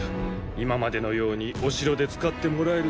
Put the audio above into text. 今までのようにお城で使ってもらえるのか？